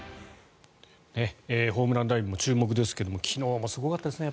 ホームランダービーも注目ですけど昨日もすごかったですね。